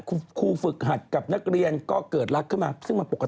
ครูฝึกหัดกับนักเรียนก็เกิดรักขึ้นมา